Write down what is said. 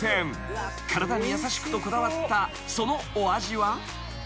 ［体に優しくとこだわったそのお味は］